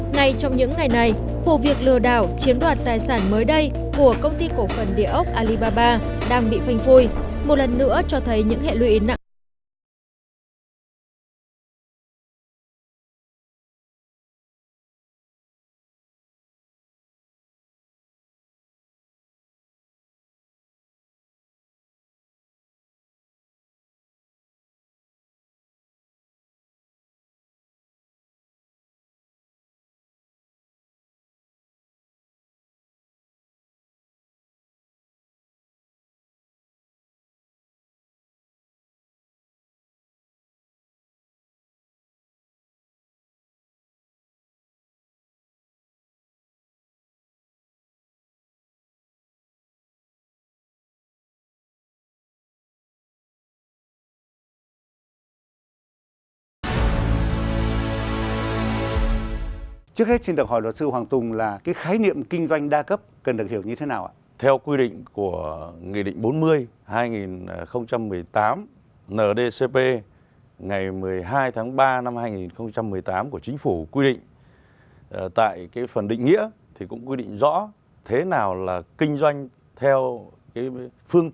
ngay trong những ngày này vụ việc lừa đảo chiếm đoạt tài sản mới đây của công ty cổ phần địa ốc alibaba đang bị phanh phui một lần nữa cho thấy những hệ luyện nặng